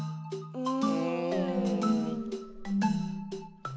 うん。